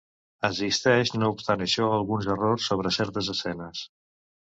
Existeix no obstant això alguns errors sobre certes escenes.